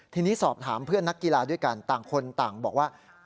ทีนี้สอบถามเพื่อนนักกีฬาด้วยกันต่างคนต่างบอกว่า